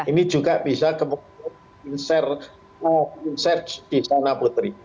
ini juga bisa kemungkinan di inserj di sana putri